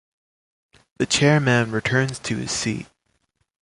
The Chairman returns to his seat.